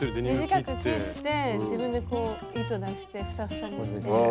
短く切って自分でこう糸出してふさふさにして。